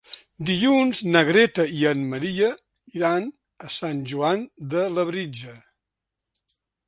Dilluns na Greta i en Maria iran a Sant Joan de Labritja.